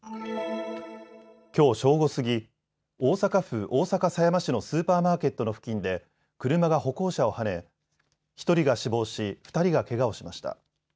きょう正午過ぎ、大阪府大阪狭山市のスーパーマーケットの付近で車が歩行者をはね１人が死亡し、２人がけがをしました。